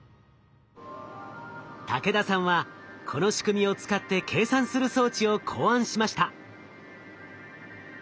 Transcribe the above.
武田さんはこの仕組みを使って計算する装置を考案しました。